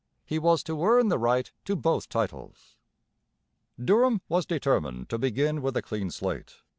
He was to earn the right to both titles. Durham was determined to begin with a clean slate.